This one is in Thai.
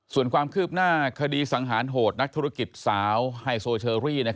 ส่วนความคืบหน้าคดีสังหารโหดนักธุรกิจสาวไฮโซเชอรี่